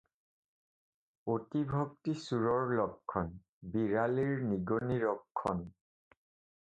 অতিভক্তি চোৰৰ লক্ষণ; বিড়ালীৰ নিগনি ৰক্ষণ।